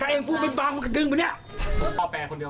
ถ้าเธอเองพูดเป็นบางแบบข้าวขึ้นดื่มวันนี้